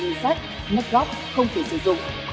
như sách mất góp không thể sử dụng